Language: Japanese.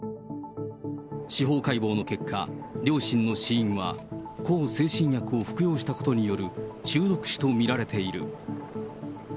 司法解剖の結果、両親の死因は向精神薬を服用したことによる中毒死と見られている。